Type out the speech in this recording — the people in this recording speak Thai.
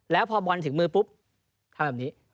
แล้วพอบอลถึงมือปุ๊บทำแบบนี้